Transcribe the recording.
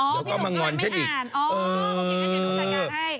อ๋อพี่หนุ่มก็เลยไม่อ่านโอ้โฮโอเคอย่างนู้นสักการให้